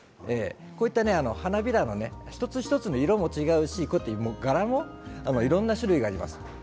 こういった花びらの一つ一つの色も違うし柄もいろんな種類があります。